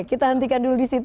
kita hentikan dulu di situ